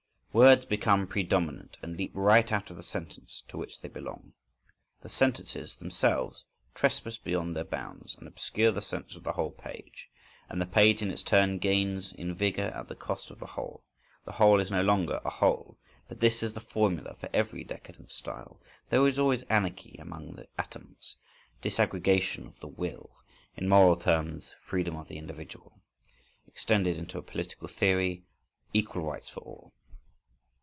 Words become predominant and leap right out of the sentence to which they belong, the sentences themselves trespass beyond their bounds, and obscure the sense of the whole page, and the page in its turn gains in vigour at the cost of the whole,—the whole is no longer a whole. But this is the formula for every decadent style: there is always anarchy among the atoms, disaggregation of the will,—in moral terms: "freedom of the individual,"—extended into a political theory "equal rights for all."